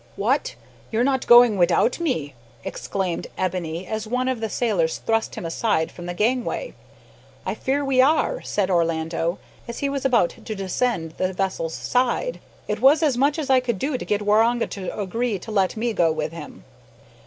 "What! you's not goin' widout me?" exclaimed Ebony, as one of the sailors thrust him aside from the gangway. "I fear we are," said Orlando, as he was about to descend the vessel's side. "It was as much as I could do to get Waroonga to agree to let me go with him."